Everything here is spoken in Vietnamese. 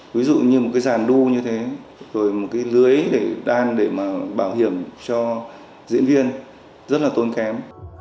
ví dụ như một cái giàn đu như thế rồi một cái lưới để đan để mà bảo hiểm cho diễn viên rất là tốn kém